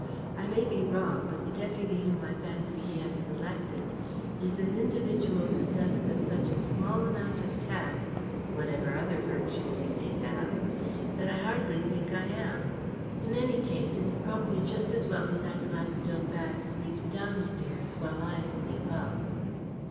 I may be wrong, but the deputy whom I fancy he has selected is an individual possessed of such a small amount of tact whatever other virtues he may have that I hardly think I am. In any case it is probably just as well that that Gladstone bag sleeps downstairs, while I sleep up."